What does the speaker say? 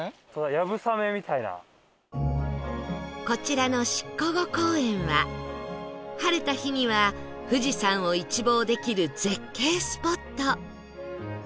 こちらのシッコゴ公園は晴れた日には富士山を一望できる絶景スポット